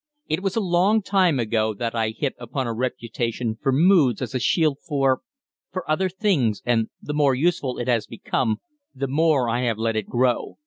It was a long time ago that I hit upon a reputation for moods as a shield for for other things, and, the more useful it has become, the more I have let it grow.